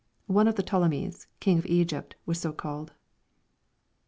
— One of the Ptolemies, king of Egypt, was so called.